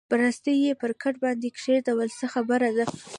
برساتۍ یې پر کټ باندې کېښوول، څه خبره ده؟